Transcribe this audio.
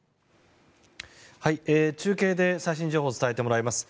中継で最新情報を伝えてもらいます。